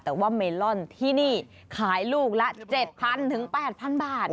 แต่ว่าเมลอนที่นี่ขายลูกละ๗๐๐๘๐๐บาท